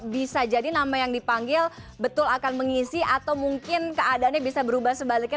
bisa jadi nama yang dipanggil betul akan mengisi atau mungkin keadaannya bisa berubah sebaliknya